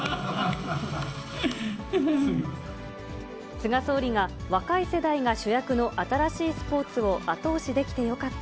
菅総理が、若い世代が主役の新しいスポーツを後押しできてよかった。